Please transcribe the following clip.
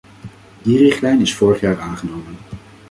Die richtlijn is vorig jaar aangenomen.